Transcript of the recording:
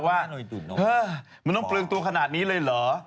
ว่ามันต้องเปลืองตัวขนาดนี้เลยเหรอ